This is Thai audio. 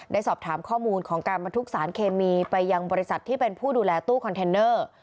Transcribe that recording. ได้สอบถามข้อมูลของการบรรทุกสารเคมีไปยังบริษัทที่เป็นผู้ดูแลตู้คอนเทนเนอร์